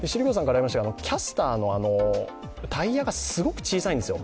キャスターのタイヤがすごく小さいんですよ。